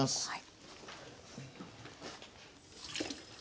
はい。